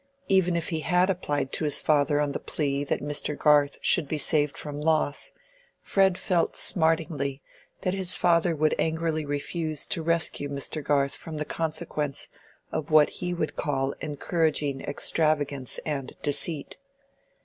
Even if he had applied to his father on the plea that Mr. Garth should be saved from loss, Fred felt smartingly that his father would angrily refuse to rescue Mr. Garth from the consequence of what he would call encouraging extravagance and deceit.